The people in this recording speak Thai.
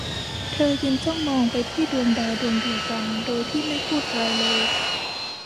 เธอยืนจ้องมองไปที่ดวงดาวดวงเดียวกันโดยที่ไม่พูดอะไรเลย